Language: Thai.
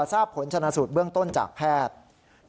ทราบผลชนะสูตรเบื้องต้นจากแพทย์